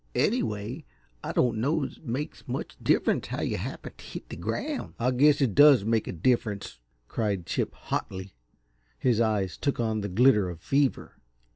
Anyway, I don't know's it makes much difference how yuh happened t' hit the ground " "I guess it does make a difference," cried Chip, hotly. His eyes took on the glitter of fever.